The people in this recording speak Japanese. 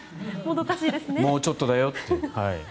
もうちょっとだよって。